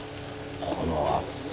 この厚さ。